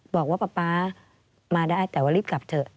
บอกว่าป๊าป๊ามาได้แต่ว่ารีบกลับเถอะ